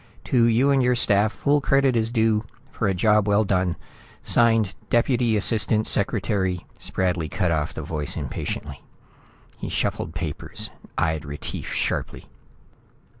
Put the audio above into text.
To you and your staff, full credit is due for a job well done. Signed, Deputy Assistant Secretary " Spradley cut off the voice impatiently. He shuffled papers, eyed Retief sharply.